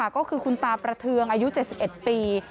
ก็คือคุณตาประเทืองอายุ๗๑ปี